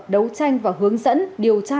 đấu tranh và hướng dẫn điều tra